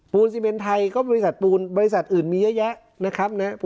ซีเมนไทยก็บริษัทปูนบริษัทอื่นมีเยอะแยะนะครับนะ